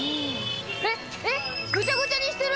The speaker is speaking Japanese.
えっえっぐちゃぐちゃにしてる。